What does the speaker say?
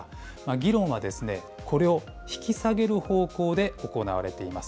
議論はですね、これを引き下げる方向で行われています。